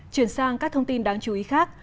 chuyển sang các thông tin đáng chú ý khác